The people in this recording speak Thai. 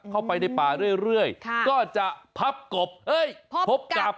เข้าไปในป่าเรื่อยก็จะพับกบเฮ้ยพบกับ